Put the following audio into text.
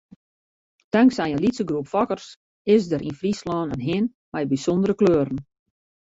Tanksij in lytse groep fokkers is der yn Fryslân in hin mei bysûndere kleuren.